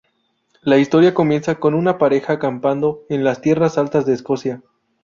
La historia comienza con una pareja acampando en las Tierras Altas de Escocia.